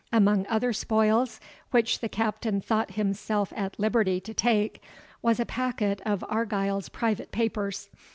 Among other spoils which the Captain thought himself at liberty to take, was a packet of Argyle's private papers.